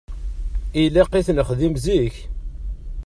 Ilaq i t-nexdim zik.